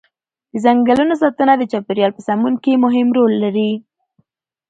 د ځنګلونو ساتنه د چاپیریال په سمون کې مهم رول لري.